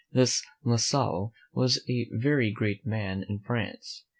This La Salle was a very great man in France.